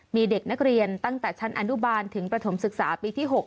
มีเด็กนักเรียนตั้งแต่ชั้นอนุบาลถึงประถมศึกษาปีที่๖